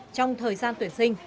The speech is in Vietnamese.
trong thời gian tuyển sinh